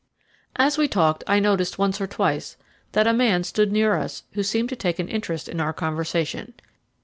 As we talked I noticed once or twice that a man stood near us who seemed to take an interest in our conversation.